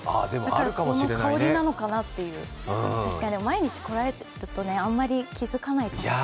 ここの香りなのかなっていう、確かに毎日来られるとあんまり気付かないと思いますが。